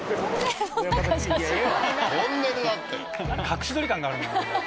隠し撮り感があるなぁ。